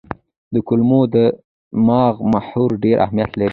د کولمو او دماغ محور ډېر اهمیت لري.